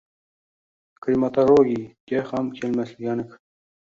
Krematoriyga ham kelmasligi aniq